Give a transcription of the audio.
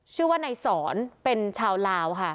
ชื่อว่านายสอนเป็นชาวลาวค่ะ